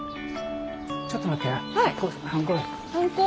ちょっと待ってな。